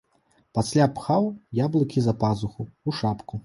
Пасля пхаў яблыкі за пазуху, у шапку.